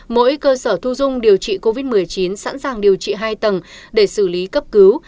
mỗi cơ sở thu dung điều trị covid một mươi chín sẵn sàng điều trị hai tầng để xử lý cấp cứu